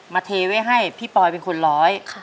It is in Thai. เทไว้ให้พี่ปอยเป็นคนร้อย